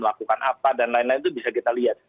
melakukan apa dan lain lain itu bisa kita lihat